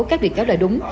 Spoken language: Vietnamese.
các bị cáo đòi đúng